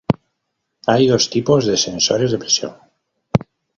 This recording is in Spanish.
Hay dos tipos de sensores de presión.